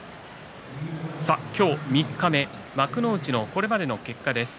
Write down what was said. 今日、三日目幕内のこれまでの結果です。